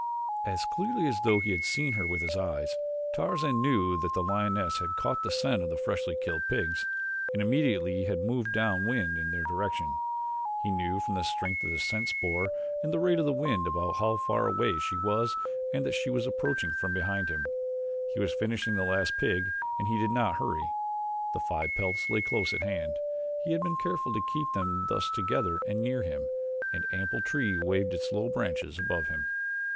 As clearly as though he had seen her with his eyes, Tarzan knew that the lioness had caught the scent of the freshly killed pigs and immediately had moved down wind in their direction. He knew from the strength of the scent spoor and the rate of the wind about how far away she was and that she was approaching from behind him. He was finishing the last pig and he did not hurry. The five pelts lay close at hand he had been careful to keep them thus together and near him an ample tree waved its low branches above him.